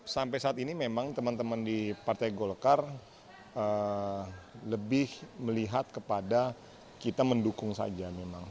sampai saat ini memang teman teman di partai golkar lebih melihat kepada kita mendukung saja memang